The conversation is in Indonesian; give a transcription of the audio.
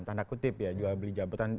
tanda kutip ya jual beli jabatan